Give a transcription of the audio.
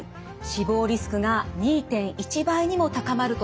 死亡リスクが２．１倍にも高まるとされています。